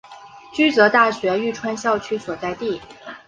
驹泽大学玉川校区所在地。